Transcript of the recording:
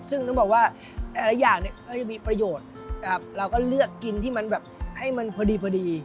ซึ่งต้องบอกว่าแต่ละอย่างเนี่ยก็จะมีประโยชน์เราก็เลือกกินที่มันแบบให้มันพอดีพอดี